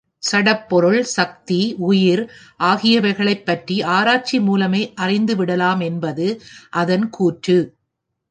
சடப்பொருள், சக்தி, உயிர் ஆகியவைகளைப் பற்றி ஆராய்ச்சி மூலமே அறிந்து விடலாம் என்பது அதன் கூற்று.